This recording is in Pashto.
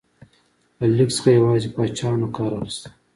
له لیک څخه یوازې پاچاهانو کار اخیسته.